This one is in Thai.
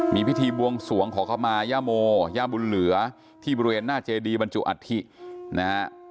มีพิธีบวงสวงขอเข้ามาย่าโมย่าบุญเหลือที่บริเวณหน้าเจดีบรรจุอัฐินะฮะ